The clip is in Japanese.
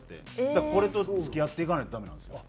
だからこれと付き合っていかないとダメなんですよ。